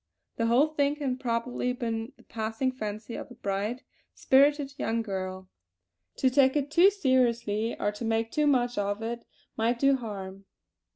The whole thing had probably been the passing fancy of a bright, spirited young girl; to take it too seriously, or to make too much of it might do harm.